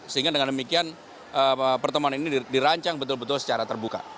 sehingga dengan demikian pertemuan ini dirancang betul betul secara terbuka